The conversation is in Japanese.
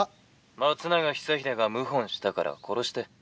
「松永久秀が謀反したから殺して」。